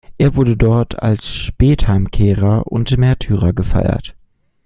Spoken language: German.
Er wurde dort als „Spätheimkehrer“ und Märtyrer gefeiert.